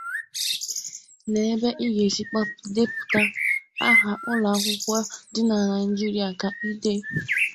Lee ebe ị ga-esi depụta aha ụlọ akwụkwọ dị na Naịjirịa ka ị dee.